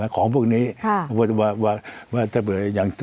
ของพวกนี้ว่าจะเผยอย่าง